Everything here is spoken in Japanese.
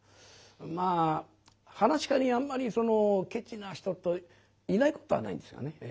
まあ噺家にあんまりそのケチな人といないことはないんですがね。